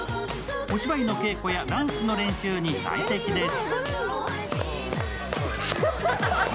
お芝居の稽古やダンスの練習に最適です。